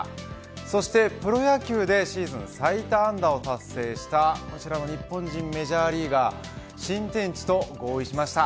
そしてプロ野球でシーズン最多安打を達成したこちらの日本人メジャーリーガー新天地と合意しました。